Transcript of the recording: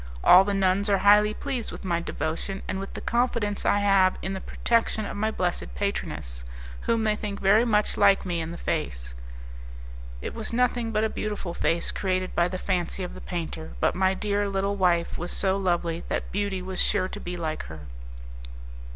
All the nuns are highly pleased with my devotion and with the confidence I have in the protection of my blessed patroness, whom they think very much like me in the face." It was nothing but a beautiful face created by the fancy of the painter, but my dear little wife was so lovely that beauty was sure to be like her.